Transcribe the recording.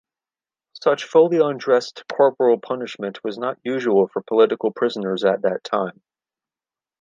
Such fully undressed corporal punishment was not usual for political prisoners at that time.